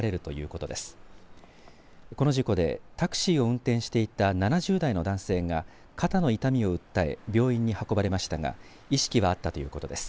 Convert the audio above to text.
この事故でタクシーを運転していた７０代の男性が肩の痛みを訴え病院に運ばれましたが意識はあったということです。